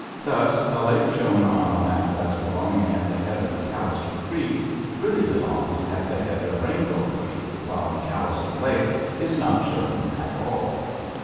Thus, a lake shown on our map as belonging at the head of McAllister Creek really belongs at the head of Rainbow Creek, while McAllister Lake is not shown at all.